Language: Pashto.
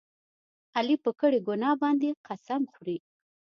علي په کړې ګناه باندې قسم خوري.